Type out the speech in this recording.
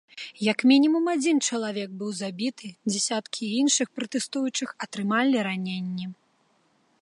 Як мінімум адзін чалавек быў забіты, дзясяткі іншых пратэстуючых атрымалі раненні.